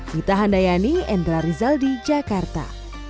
kita handayani endra rizal di jakarta